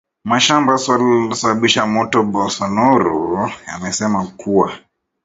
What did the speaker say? mashamba suala lililosababisha moto Bolsonaro amesema kuwa